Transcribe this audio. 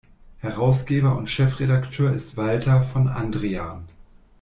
Herausgeber und Chefredakteur ist Walter von Andrian.